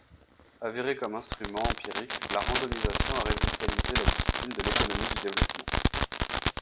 Avérée comme instrument empirique, la randomisation a revitalisé la discipline de l'économie du développement.